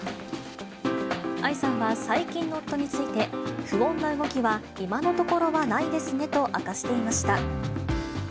愛さんは最近の夫について、不穏な動きは今のところはないですねと明かしていました。